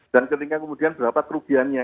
dan ketika kemudian berapa kerugiannya